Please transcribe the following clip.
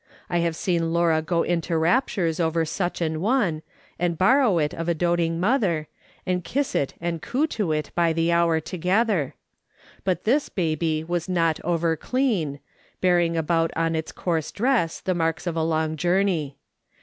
I have seen Laura go into raptures over such ai^ one, and borrow "SOME THINGS IS QUEERS 51 it of a doting mother, and kiss it and coo to it by the lionr together; but this baby was not over clean, bearing about on its coarse dress the marks of a long journey.